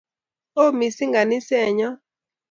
Oo missing' ganiset nyo